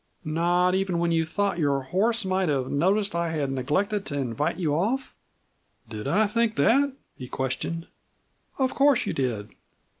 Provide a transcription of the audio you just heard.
"Not even when you thought your horse might have noticed that I had neglected to invite you off?" "Did I think that?" he questioned. "Of course you did."